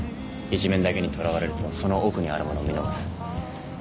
一面だけにとらわれるとその奥にあるものを見逃す。